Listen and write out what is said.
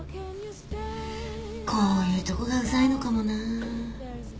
こういうとこがうざいのかもな。